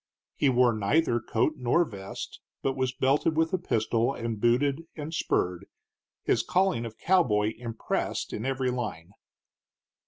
He wore neither coat nor vest, but was belted with a pistol and booted and spurred, his calling of cowboy impressed in every line.